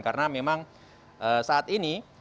karena memang saat ini